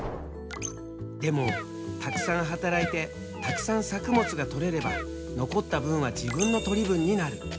でもたくさん働いてたくさん作物がとれれば残った分は自分の取り分になる。